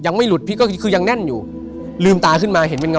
นึกถึงหลวงปูหรือสีที่ผมนับถึง